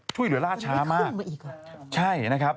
ขึ้นมาอีกเหรอ